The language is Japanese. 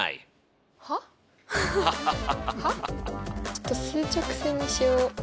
ちょっと数直線にしよ。